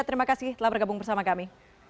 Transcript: terima kasih telah bergabung bersama kami